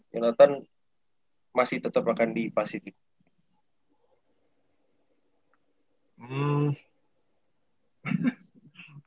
yonatan masih tetep akan dipasitin